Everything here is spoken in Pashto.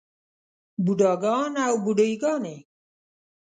بوډاګان او بوډے ګانے